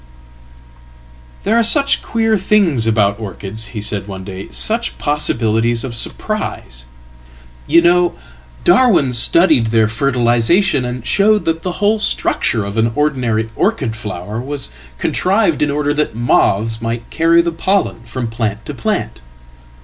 "There are such queer things about orchids," he said one day; "suchpossibilities of surprises. You know, Darwin studied their fertilisation, and showed that the whole structure of an ordinary orchid flower wascontrived in order that moths might carry the pollen from plant to plant.